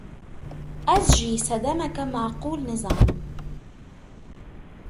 Ez jî sedemeke maqûl nizanim.